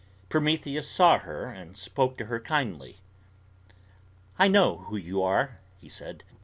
Prometheus saw her and spoke to her kindly: "I know who you are," he said.